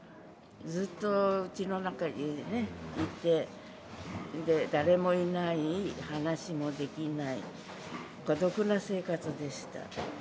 ずっとうちの中にいて、誰もいない、話もできない、孤独な生活でした。